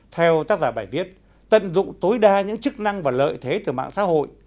theo tác giả bài viết tận dụng tối đa những chức năng và lợi thế từ mạng xã hội